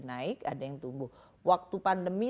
naik ada yang tumbuh waktu pandemi